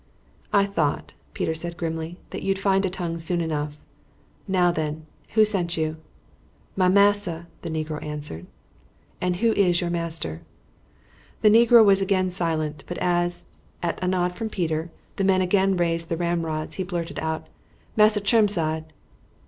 "I thought," Peter said grimly, "that you'd find a tongue soon enough. Now, then, who sent you?" "My massa," the negro answered. "And who is your master?" The negro was again silent, but as, at a nod from Peter, the men again raised the ramrods, he blurted out: "Massa Chermside."